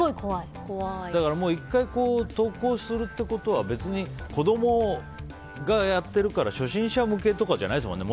１回、投稿するってことは別に子供がやってるから初心者向けとかじゃないですもんね。